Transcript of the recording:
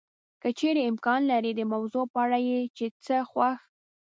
که چېرې امکان لري د موضوع په اړه یې چې څه خوښ